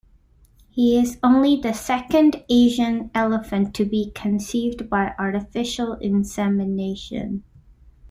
He is only the second Asian elephant to be conceived by artificial insemination.